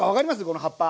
この葉っぱ。